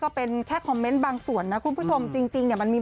ก็เป็นแค่คอมเมนต์บางส่วนนะคุณผู้ชมจริงเนี่ยมันมี